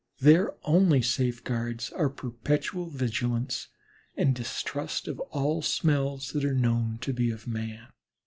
Their only safeguards are perpetual vigilance and distrust of all smells that are known to be of man.